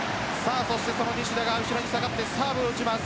この西田が後ろに下がってサーブを打ちます。